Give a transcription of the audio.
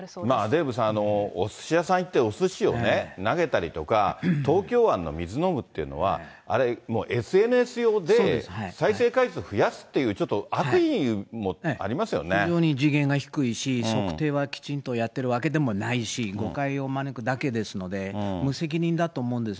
デーブさん、おすし屋さん行って、おすしを投げたりとか、東京湾の水飲むっていうのは、あれ、もうＳＮＳ用で、再生回数増やすっていう、非常に次元が低いし、測定はきちんとやっているわけではないし、誤解を招くだけですので、無責任だと思うんです。